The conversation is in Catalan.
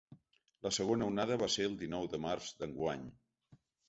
La segona onada va ser el dinou de març d’enguany.